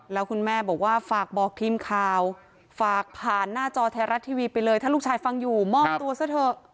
แล้วคุณแม่บอกว่าฝากบอกทีมข่าวฝากผ่านหน้าจอไทยรัฐทีวีไปเลยถ้าลูกชายฟังอยู่มอบตัวซะเถอะ